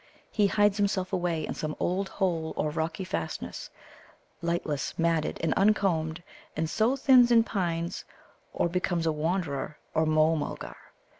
He hides himself away in some old hole or rocky fastness, lightless, matted, and uncombed, and so thins and pines, or becomes a Wanderer or Môh mulgar.